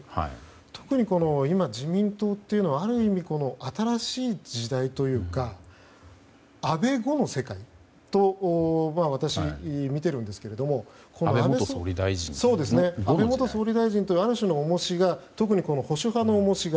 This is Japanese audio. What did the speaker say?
特に今、自民党っていうのはある意味、新しい時代というか安倍後の世界と私は見ているんですが安倍元総理大臣というある種の重しが特に、保守派の重しが。